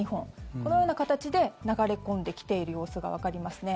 このような形で流れ込んできている様子がわかりますね。